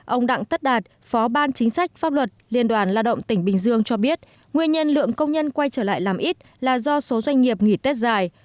ông đặng tất đạt phó ban chính sách pháp luật liên đoàn lao động tỉnh bình dương cho biết nguyên nhân lượng công nhân quay trở lại làm ít là do số doanh nghiệp nghỉ tết dài